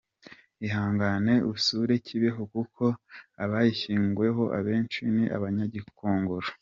Ihangane usure Kibeho kuko abayishyinguweho abenshi ni abanyagikongoro.